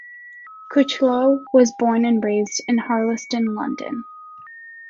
Crichlow was born and raised in Harlesden, London.